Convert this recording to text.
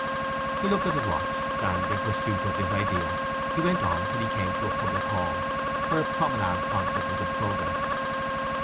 He looked at his watch, and, in pursuit of this idea, he went on till he came to a public hall, where a promenade concert was in progress.